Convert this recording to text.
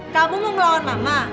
kamu mau melawan mama